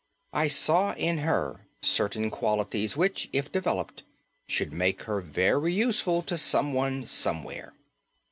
I saw in her certain qualities which, if developed, should make her very useful to someone somewhere.